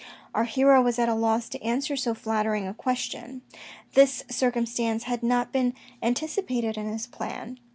Our hero was at a loss to answer so flattering a question. This circumstance had not been anticipated in his plan.